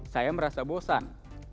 saya merasa bosan